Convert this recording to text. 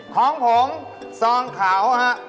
ของผมซองขาวภาค